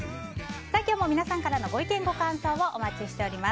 今日も皆さんからのご意見ご感想をお待ちしています。